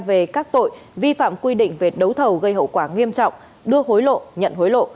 về các tội vi phạm quy định về đấu thầu gây hậu quả nghiêm trọng đưa hối lộ nhận hối lộ